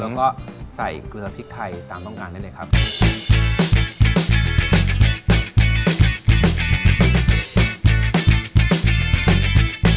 แล้วก็ใส่เกลือพริกไทยตามต้องการได้เลยครับ